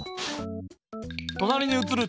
となりにうつる。